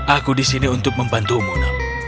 aku disini untuk membantumu naga